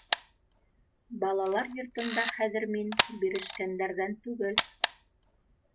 Балалар йортонда хәҙер мин бирешкәндәрҙән түгел.